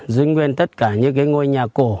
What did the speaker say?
duyên nguyên tất cả những ngôi nhà cổ